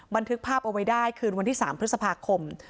บันทึกภาพเอาไว้ได้คืนวันที่๓พฤษภาคม